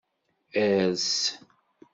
Ers.